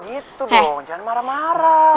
itu dong jangan marah marah